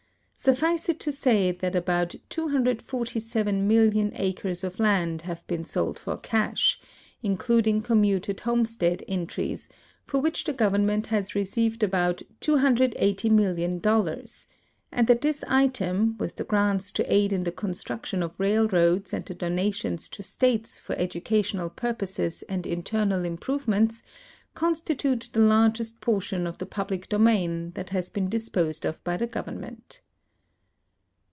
Suffice it to say that about 247,000,000 acres of land have been sold for cash, in cluding commuted homestead entries, for which the government has received about $280,000,000, and that this item, with the grants to aid in the construction of railroads and the donations to states for educational purposes and internal improvements, constitute the largest portion of the pul)lie domain that has been dis[)Osed of by the government.